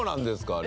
あれ。